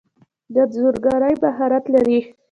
د انځورګری مهارت لرئ؟